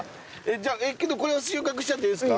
じゃあこれは収穫しちゃっていいですか？